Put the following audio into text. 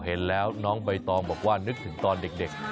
เห็นแล้วน้องใบตองบอกว่านึกถึงตอนเด็ก